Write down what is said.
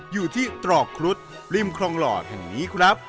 อยู่ที่ตรอกครุฑริมคลองหล่อแห่งนี้ครับ